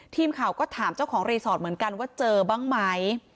ทีมข่าวก็ถามเจ้าของรีสอร์ทเหมือนกันว่าเจอบ้างไหม